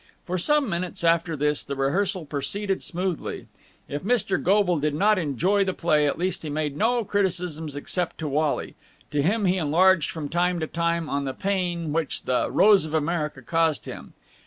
For some minutes after this the rehearsal proceeded smoothly. If Mr. Goble did not enjoy the play, at least he made no criticisms except to Wally. To him he enlarged from time to time on the pain which "The Rose of America" caused him.